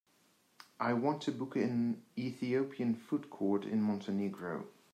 I want to book a ethiopian food court in Montenegro.